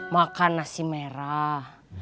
makan nasi merah